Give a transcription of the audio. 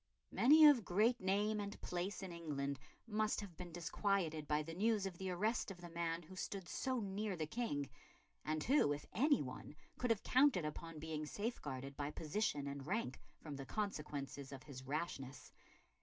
Many of great name and place in England must have been disquieted by the news of the arrest of the man who stood so near the King, and who, if any one, could have counted upon being safeguarded by position and rank from the consequences of his rashness.